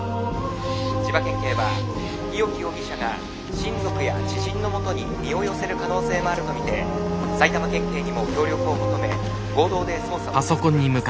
千葉県警は日置容疑者が親族や知人のもとに身を寄せる可能性もあると見て埼玉県警にも協力を求め合同で捜査を続けています。